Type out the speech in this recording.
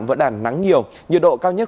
vẫn đàn nắng nhiều nhiệt độ cao nhất